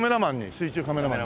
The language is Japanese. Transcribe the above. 水中カメラマン。